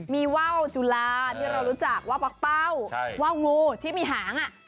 มีว่าวจุลาที่เรารู้จักว่าปักเป้าว่าวงูที่มีหาง